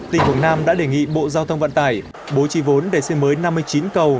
tỉnh quảng nam đã đề nghị bộ giao thông vận tải bố trì vốn để xây mới năm mươi chín cầu